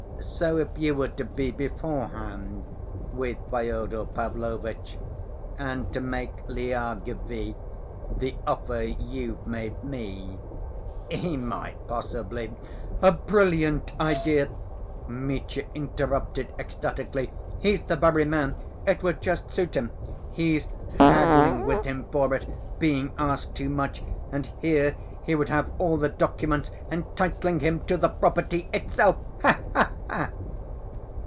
So if you were to be beforehand with Fyodor Pavlovitch and to make Lyagavy the offer you've made me, he might possibly—" "A brilliant idea!" Mitya interrupted ecstatically. "He's the very man, it would just suit him. He's haggling with him for it, being asked too much, and here he would have all the documents entitling him to the property itself. Ha ha ha!"